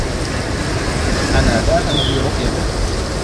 أنا لا أنوي رؤيته.